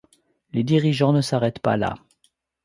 Les dirigeants ne s'arrêtent pas là.